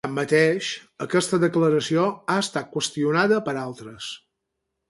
Tanmateix, aquesta declaració ha estat qüestionada per altres.